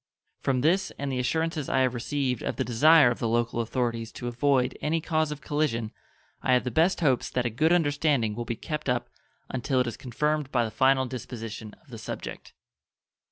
From this and the assurances I have received of the desire of the local authorities to avoid any cause of collision I have the best hopes that a good understanding will be kept up until it is confirmed by the final disposition of the subject.